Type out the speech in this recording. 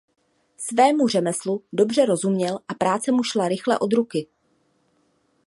Svému řemeslu dobře rozuměl a práce mu šla rychle od ruky.